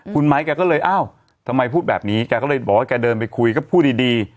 คุณไม้แกก็เลยอ้าวทำไมพูดแบบนี้แกก็เลยบอกว่าแกเดินไปคุยก็พูดดี